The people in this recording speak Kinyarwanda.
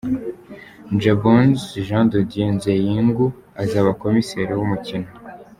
Gbaon’s Jean Didier Nziengu azaba Komiseri w’umukino.